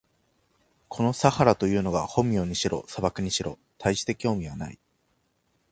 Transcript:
このサハラというのが本名にしろ、砂漠にしろ、たいして興味はない。